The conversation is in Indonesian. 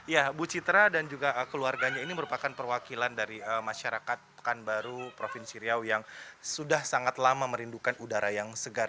ya bu citra dan juga keluarganya ini merupakan perwakilan dari masyarakat pekanbaru provinsi riau yang sudah sangat lama merindukan udara yang segar